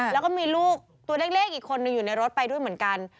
แล้วก็มีลูกตัวเล็กอีกคนนึงอยู่ในรถไปด้วยเหมือนกัน